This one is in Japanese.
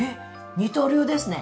二刀流ですね。